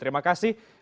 terima kasih prof